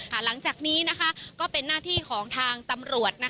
หลังจากนี้ก็เป็นหน้าที่ของทางตำรวจ